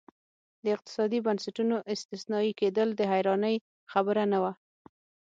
د اقتصادي بنسټونو استثنایي کېدل د حیرانۍ خبره نه وه.